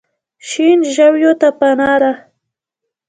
سیند ژویو ته پناه ده.